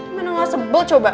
gimana gak sebel coba